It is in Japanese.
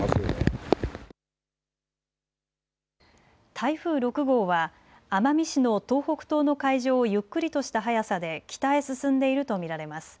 台風６号は奄美市の東北東の海上をゆっくりとした速さで北へ進んでいると見られます。